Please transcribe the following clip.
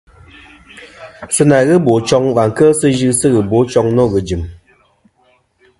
Sɨ nà ghɨ bòchoŋ và kel sɨ yɨsɨ ghɨbochoŋ nô ghɨ̀jɨ̀m.